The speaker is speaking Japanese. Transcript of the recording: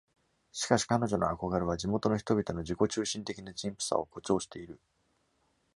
しかし、彼女の憧れは、地元の人々の自己中心的な陳腐さを誇張している。